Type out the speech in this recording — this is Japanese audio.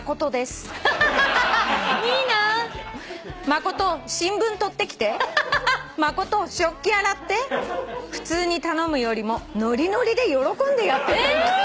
「マコト新聞取ってきてマコト食器洗って」「普通に頼むよりもノリノリで喜んでやってくれます」